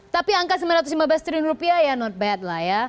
tapi angka sembilan ratus lima belas triliun rupiah ya not bad lah ya